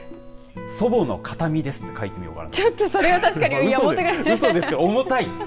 祖母の形見ですと書いてみようかな。